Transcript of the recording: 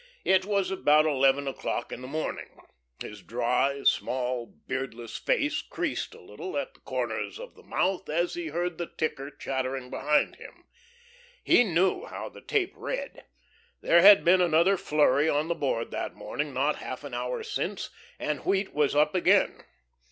It was about eleven o'clock in the morning. His dry, small, beardless face creased a little at the corners of the mouth as he heard the ticker chattering behind him. He knew how the tape read. There had been another flurry on the Board that morning, not half an hour since, and wheat was up again.